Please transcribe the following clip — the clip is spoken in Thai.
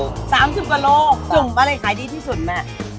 ๓๐กลัวโลจุ่มมารี่ขายดีที่สุดแม่